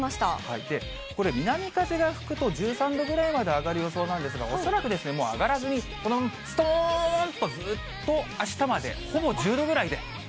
これ、南風が吹くと、１３度ぐらいまで上がる予想なんですが、恐らくですね、もう上がらずに、このまますとーんと、ずーっとあしたまでほぼ１０度ぐらいで。